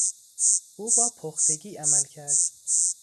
او با پختگی عمل کرد.